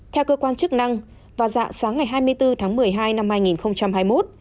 theo cơ quan chức năng vào dạng sáng ngày hai mươi bốn tháng một mươi hai năm hai nghìn hai mươi một